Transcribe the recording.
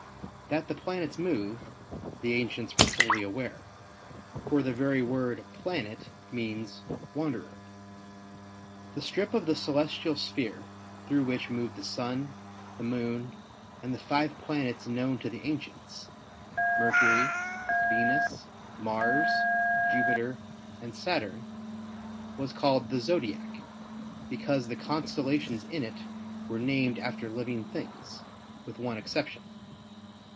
That the planets move, the ancients were fully aware, for the very word "planet" means "wan derer." The strip of the celestial sphere through which move the Sun, the Moon and the five planets known to the ancients (Mercury, Venus, Mars, Jupiter and Saturn) was called the Zodiac, because the constellations in it were named after living things, with one exception.